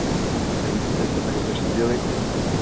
Kde jste se tak zřídili?